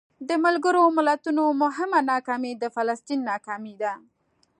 د ملګرو ملتونو مهمه ناکامي د فلسطین ناکامي ده.